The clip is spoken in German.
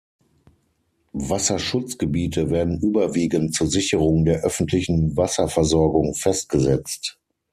Wasserschutzgebiete werden überwiegend zur Sicherung der öffentlichen Wasserversorgung festgesetzt.